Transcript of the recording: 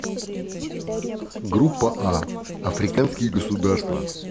Группа А — Африканские государства.